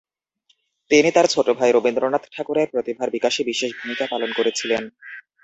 তিনি তার ছোটোভাই রবীন্দ্রনাথ ঠাকুরের প্রতিভার বিকাশে বিশেষ ভূমিকা পালন করেছিলেন।